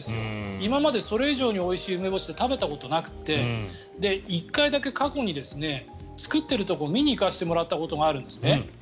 今までそれ以上においしい梅干しを食べたことがなくて１回だけ過去に作っているところを見に行かせてもらったことがあるんですね。